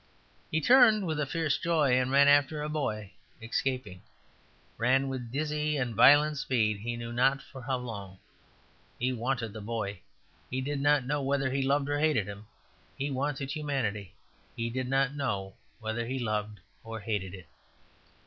He turned with fierce joy, and ran after a boy escaping; ran with dizzy and violent speed, he knew not for how long. He wanted the boy; he did not know whether he loved or hated him. He wanted humanity; he did not know whether he loved or hated it.